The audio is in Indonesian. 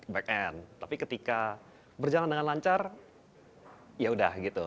backend tapi ketika berjalan dengan lancar ya udah gitu